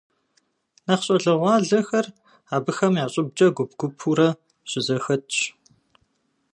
Нэхъ щӏалэгъуалэхэр абыхэм я щӏыбкӏэ гуп-гупурэ щызэхэтщ.